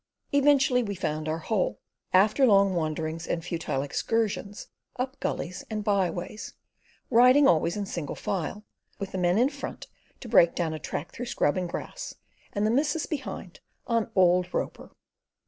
Eventually we found our hole, after long wanderings and futile excursions up gullies and by ways, riding always in single file, with the men in front to break down a track through scrub and grass, and the missus behind on old Roper.